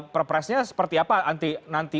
perpresnya seperti apa nanti